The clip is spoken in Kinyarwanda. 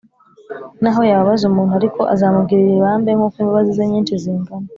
Naho yababaza umuntu ariko azamugirira ibambe, Nk’uko imbabazi ze nyinshi zingana.